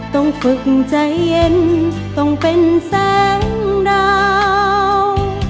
ต้องฝึกใจเย็นต้องเป็นแสงดาว